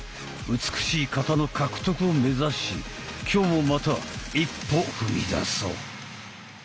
美しい形の獲得を目指し今日もまた一歩踏み出そう！